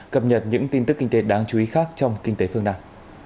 cập nhật những tin tức kinh tế đáng chú ý khác trong kinh tế phương nam